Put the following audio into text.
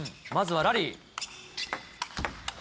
まずはラリー。